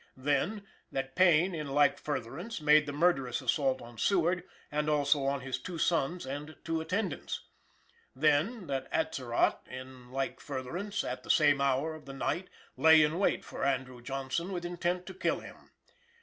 Then, that Payne, in like furtherance, made the murderous assault on Seward and also on his two sons and two attendants. Then, that Atzerodt, in like furtherance, at the same hour of the night, lay in wait for Andrew Johnson with intent to kill him.